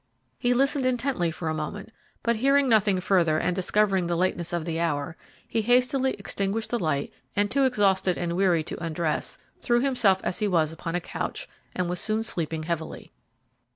He listened intently for a moment, but hearing nothing further and discovering the lateness of the hour, he hastily extinguished the light and, too exhausted and weary to undress, threw himself as he was upon a couch and was soon sleeping heavily.